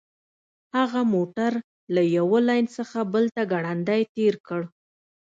هغه موټر له یوه لین څخه بل ته ګړندی تیر کړ